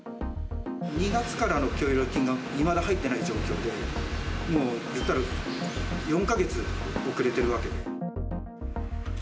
２月からの協力金がいまだ入ってない状況で、もう言ったら、４か月遅れてるわけで。